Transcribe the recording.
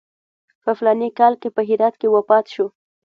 په فلاني کال کې په هرات کې وفات شو.